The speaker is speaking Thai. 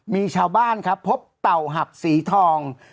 มีชาวบ้านครับพบเต่าหับสีทอง